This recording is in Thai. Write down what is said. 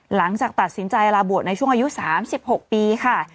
หลังจากตัดสินใจลาบวชในช่วงอายุ๓๖ปีค่ะ